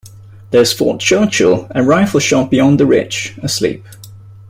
There's Fort Churchill, a rifle-shot beyond the ridge, asleep.